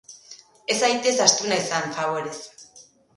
Ez zaitez astuna izan, faborez.